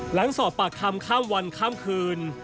หลังสอบปากคำข้ามวันข้ามคืน